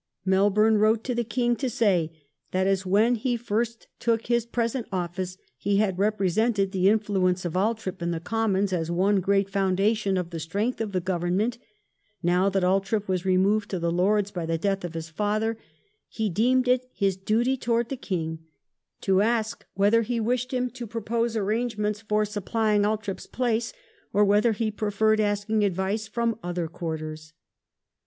... Melbourne wrote to the King to say that as when he fii*st took his present office he had represented the influence of Althorp in the Commons as one gi'eat foundation of the strength of the Government ; now that Althorp was removed to the Lords by the death of his father, he deemed it his duty towards the King to ask whether he wished him to propose arrangements for supplying Althorp's place or whether he preferred asking advice from other quarters."